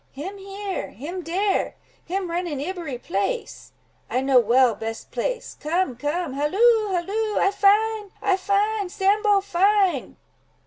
"Him here—him dere—him run in ibbery place; I know well best place. Come, come—halloo, halloo! I find! I find! Sambo find!"